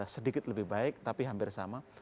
sedikit lebih baik tapi hampir sama